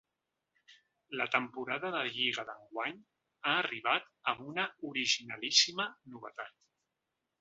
La temporada de lliga d’enguany ha arribat amb una originalíssima novetat.